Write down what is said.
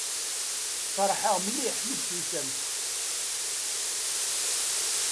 Feṛḥeɣ mliḥ mi d-tusamt.